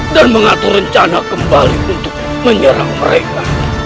dan mengatur rencana kembali untuk menyerang mereka